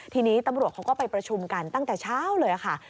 ทีนี้ตำรวจเขาก็ไปประชุมกันตั้งแต่เช้าเลยค่ะ